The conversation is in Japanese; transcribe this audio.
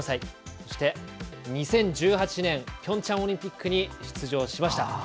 そして２０１８年のピョンチャンオリンピックに出場しました。